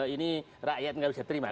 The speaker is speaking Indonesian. ini rakyat nggak usah terima